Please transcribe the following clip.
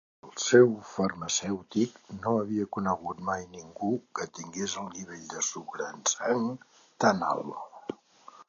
El seu farmacèutic no havia conegut mai ningú que tingués el nivell de sucre en sang tan alt.